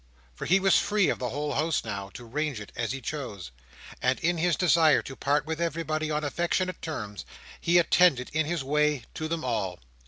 For he was free of the whole house now, to range it as he chose; and, in his desire to part with everybody on affectionate terms, he attended, in his way, to them all.